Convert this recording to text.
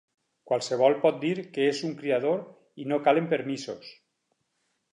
Qualsevol pot dir que és un criador i no calen permisos.